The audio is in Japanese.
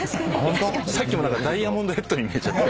さっきもダイヤモンドヘッドに見えちゃって。